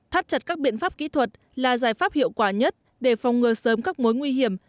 thắt chặt các biện pháp kỹ thuật là giải pháp hiệu quả nhất để phòng ngừa sớm các mối nguy hiểm